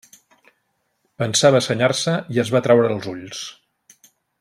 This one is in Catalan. Pensava senyar-se i es va traure els ulls.